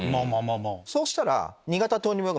そうしたら。